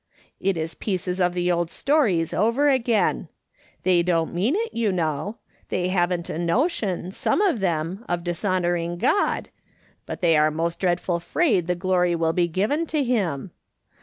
It is pieces of the old stories over again. They don't mean it, you know ; they haven't a notion — some of them — of dishonouring God, but they are most dreadful 'fraid the glory will be given to him.